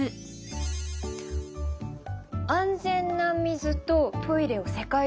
「安全な水とトイレを世界中に」だね。